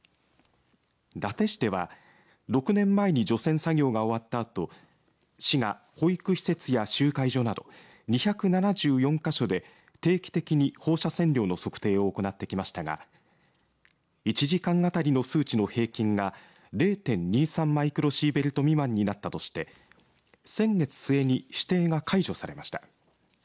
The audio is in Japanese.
伊達市では、６年前に除染作業が終わったあと市が保育施設や集会所など２７４か所で定期的に放射線量の測定を行ってきましたが１時間当たりの数値の平均が０．２３マイクロシーベルト未満になったとして先月末に指定が解除されました。